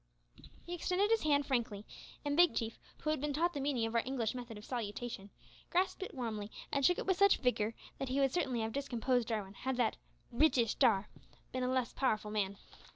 He extended his hand frankly, and Big Chief, who had been taught the meaning of our English method of salutation, grasped it warmly and shook it with such vigour that he would certainly have discomposed Jarwin had that "Breetish tar" been a less powerful man.